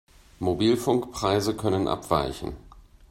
Mobilfunkpreise können abweichen.